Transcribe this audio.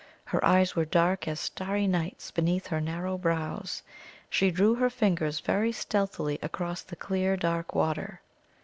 Her eyes were dark as starry night's beneath her narrow brows. She drew her fingers very stealthily across the clear dark water.